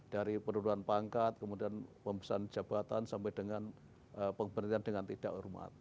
dari penundaan pangkat kemudian pembesaran jabatan sampai dengan pemberitahuan dengan tidak hormat